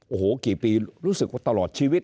โอ้โหกี่ปีรู้สึกว่าตลอดชีวิต